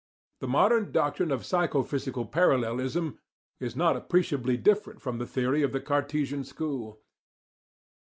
The modern doctrine of psychophysical parallelism is not appreciably different from this theory of the Cartesian school.